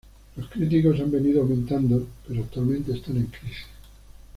Los cítricos han venido aumentando pero actualmente están en crisis.